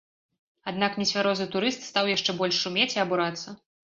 Аднак нецвярозы турыст стаў яшчэ больш шумець і абурацца.